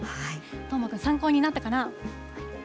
どーもくん、参考になったかな？